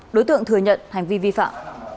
đối tượng thừa nhận hành vi vi phạm